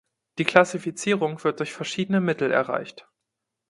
Die Klassifizierung wird durch verschiedene Mittel erreicht.